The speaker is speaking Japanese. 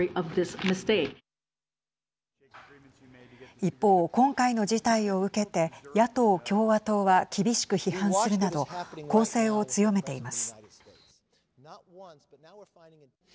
一方、今回の事態を受けて野党・共和党は厳しく批判するなど攻勢を強めています。